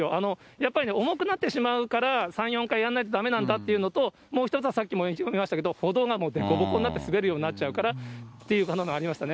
やっぱりね、重くなってしまうから３、４回やらないとだめなんだっていうのと、さっきも言いましたけど歩道がぼこぼこになって滑るようになっちゃうからっていうのがありましたね。